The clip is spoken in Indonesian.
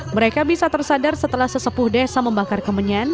mereka bisa tersadar setelah sesepuh desa membakar kemenyan